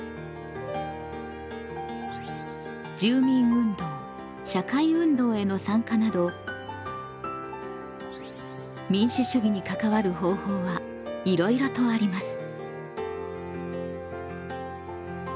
投票以外にもへの参加など民主主義に関わる方法はいろいろとあります。